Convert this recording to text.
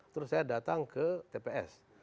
terus saya datang ke tps